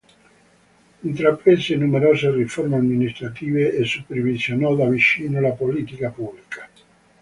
Intraprese numerose riforme amministrative e supervisionò da vicino la politica pubblica.